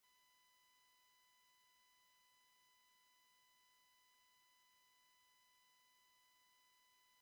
"Mr. Metro" also subsequently remained as an additional alias of the artist.